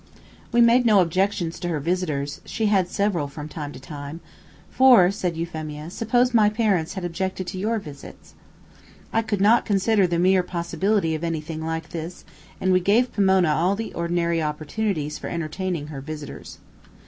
We made no objections to her visitors, she had several, from time to time, "for," said Euphemia, "suppose my parents had objected to your visits." I could not consider the mere possibility of anything like this, and we gave Pomona all the ordinary opportunities for entertaining her visitors.